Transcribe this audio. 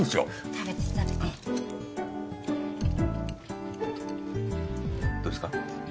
食べて食べてどうですか？